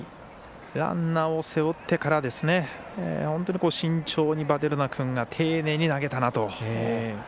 ランナーを背負ってから本当に慎重にヴァデルナ君が丁寧に投げたなと。